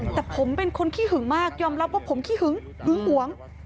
แต่ผมเป็นคนขี้หึงมากยอมรับว่าผมขี้หึงหึงหวง